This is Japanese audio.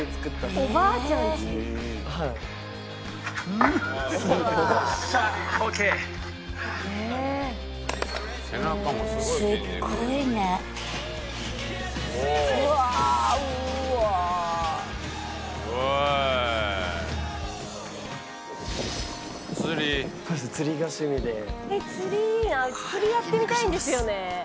うち釣りやってみたいんですよね」